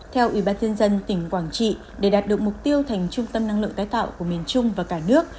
theo ủy ban nhân dân tỉnh quảng trị để đạt được mục tiêu thành trung tâm năng lượng tái tạo của miền trung và cả nước